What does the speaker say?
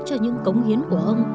cho những cống hiến của ông